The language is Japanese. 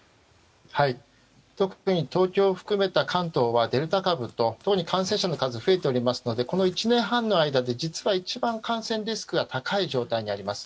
特に東京を含めた関東はデルタ株と当時より感染者の数増えているのでこの１年半の間で一番、感染リスクが高い状態にあります。